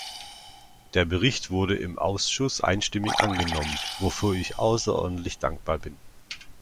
Der Bericht wurde im Ausschuss einstimmig angenommen, wofür ich außerordentlich dankbar bin.